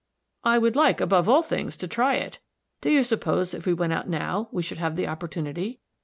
"I would like, above all things, to try it. Do you suppose, if we went out now, we should have the opportunity?"